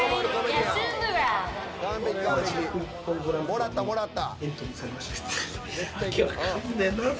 もらった、もらった。